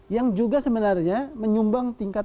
yang juga sebenarnya menyumbang tingkat